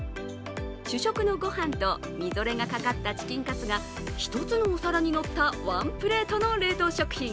主食のご飯と、みぞれがかかったチキンカツが１つのお皿にのったワンプレートの冷凍食品。